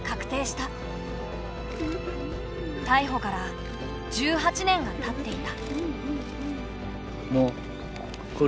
たいほから１８年がたっていた。